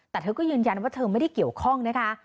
แต่เธอก็ยืนยันว่าเธอไม่ได้เกี่ยวข้องนะคะ